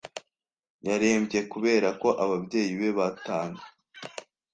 Yarembye kuberako ababyeyi be batanye.